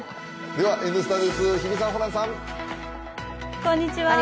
では「Ｎスタ」です、日比さん、ホランさん。